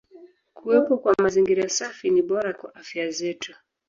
Kuwepo kwa mazingira safi ni bora kwa afya zetu.